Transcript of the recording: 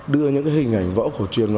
đưa những hình ảnh võ cổ truyền